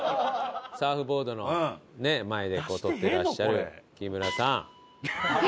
サーフボードのねえ前で撮ってらっしゃる木村さん。